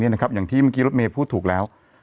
อย่างที่เมื่อกี้รถเมย์พูดถูกแล้ว